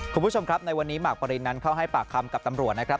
คุณผู้ชมครับในวันนี้หมากปรินนั้นเข้าให้ปากคำกับตำรวจนะครับ